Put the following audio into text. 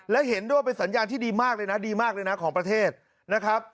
และเห็นด้วยว่าเป็นสัญญาณที่ดีมากเลยนะดีมากเลยนะของประเทศนะครับ